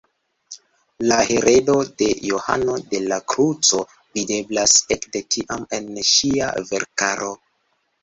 La heredo de Johano de la Kruco videblas ekde tiam en ŝia verkaro.